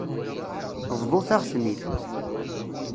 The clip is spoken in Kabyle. Bḍut-aɣ-ten-id.